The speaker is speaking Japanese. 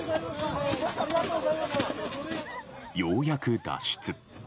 ようやく脱出。